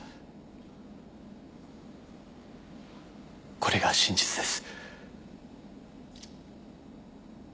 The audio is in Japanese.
これが真実です。